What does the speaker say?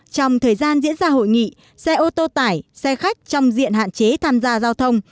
trong thời gian diễn ra hội nghị xe ô tô tải xe khách trong diện hạn chế tham gia giao thông